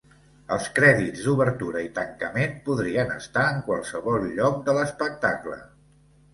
Els crèdits d'obertura i tancament podrien estar en qualsevol lloc de l'espectacle.